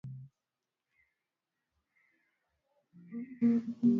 habari wakifungwa na wengine kuuwawa hapa na pale duniani